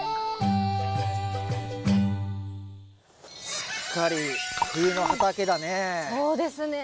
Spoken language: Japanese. すっかり冬の畑だねぇ。